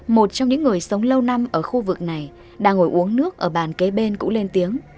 một trong những người sống lâu năm ở khu vực này đang ngồi uống nước ở bàn kế bên cũng lên tiếng